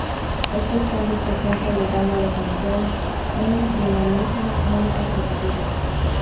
Estos cambios de tiempo le dan a la canción un dinamismo muy atractivo.